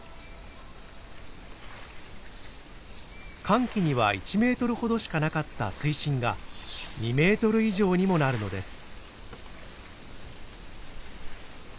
乾季には１メートルほどしかなかった水深が２メートル以上にもなるのです。